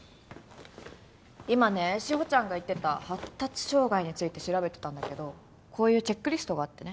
今ね志保ちゃんが言ってた発達障害について調べてたんだけどこういうチェックリストがあってね。